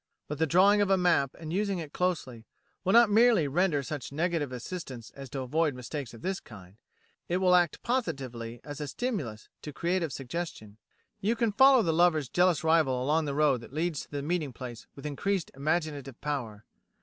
But the drawing of a map, and using it closely, will not merely render such negative assistance as to avoid mistakes of this kind, it will act positively as a stimulus to creative suggestion. You can follow the lover's jealous rival along the road that leads to the meeting place with increased imaginative power.